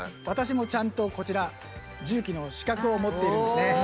私もちゃんとこちら重機の資格を持っているんですね。